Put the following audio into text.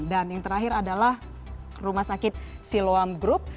dan yang terakhir adalah rumah sakit siloam group